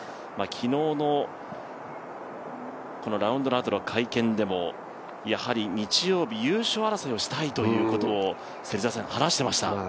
昨日のラウンドのあとの会見でも日曜日、優勝争いをしたいということを話していました。